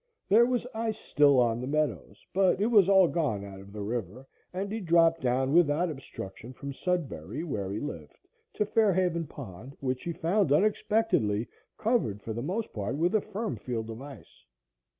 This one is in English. There was ice still on the meadows, but it was all gone out of the river, and he dropped down without obstruction from Sudbury, where he lived, to Fair Haven Pond, which he found, unexpectedly, covered for the most part with a firm field of ice.